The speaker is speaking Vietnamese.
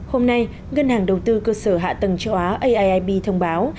hôm nay ngân hàng đầu tư cơ sở hạ tầng châu á aib thông báo